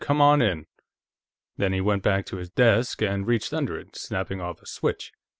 Come on in." Then he went to his desk and reached under it, snapping off a switch.